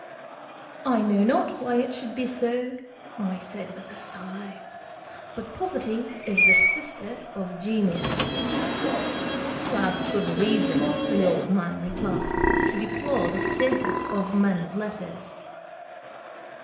"I know not why it should be so," (I said with a sigh), "but Poverty is the sister of Genius." ("You have good reason," the old man replied, "to deplore the status of men of letters."